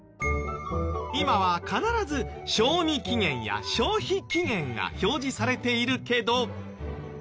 今は必ず賞味期限や消費期限が表示されているけど。